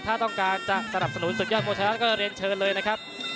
ถ้าต้องการจะสนับสนุนศึกยอดมวยไทยรัฐก็เรียนเชิญเลยนะครับ